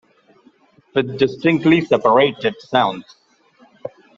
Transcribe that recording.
With distinctly separated sounds.